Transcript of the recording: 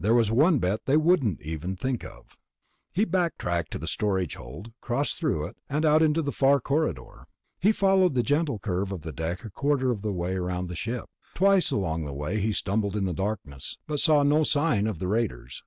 There was one bet they wouldn't even think of. He backtracked to the storage hold, crossed through it, and out into the far corridor. He followed the gentle curve of the deck a quarter of the way around the ship. Twice along the way he stumbled in the darkness, but saw no sign of the raiders.